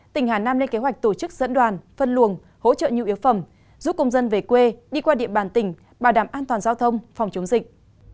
tỉnh hà nam lên kế hoạch tổ chức dẫn đoàn phân luồng hỗ trợ nhu yếu phẩm giúp công dân về quê đi qua địa bàn tỉnh bảo đảm an toàn giao thông phòng chống dịch